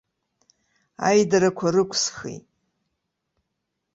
Аидарақәа рықәысхит.